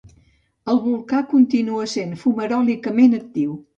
El volcà continua essent fumaròlicament actiu.